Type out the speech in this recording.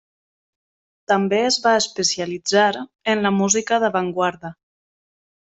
També es va especialitzar en la música d'avantguarda.